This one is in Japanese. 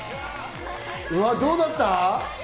うわどうだった？